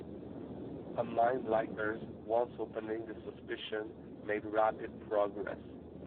A mind like hers, once opening to suspicion, made rapid progress.